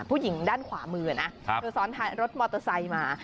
ผู้หญิงด้านขวามือนะเธอซ้อนท้ายรถมอเตอร์ไซค์มา